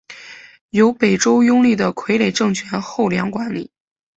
由北周拥立的傀儡政权后梁管理。